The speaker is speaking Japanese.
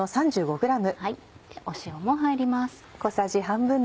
塩も入ります。